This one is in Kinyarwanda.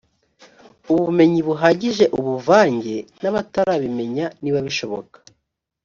ubumenyi buhagije ubavange n’abatarabimenya niba bishoboka